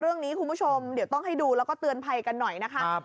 คุณผู้ชมเดี๋ยวต้องให้ดูแล้วก็เตือนภัยกันหน่อยนะคะ